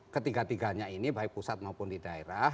ketiga tiganya ini baik pusat maupun di daerah